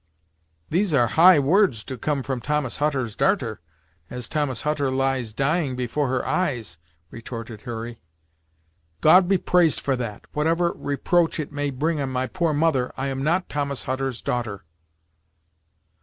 "These are high words to come from Thomas Hutter's darter, as Thomas Hutter lies dying before her eyes," retorted Hurry. "God be praised for that! whatever reproach it may bring on my poor mother, I am not Thomas Hutter's daughter."